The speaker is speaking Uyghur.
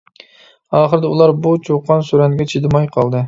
ئاخىرىدا ئۇلار بۇ چۇقان-سۈرەنگە چىدىماي قالدى.